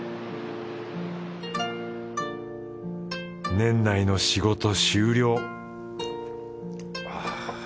年内の仕事終了はぁ。